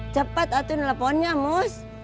cepat aturin teleponnya mus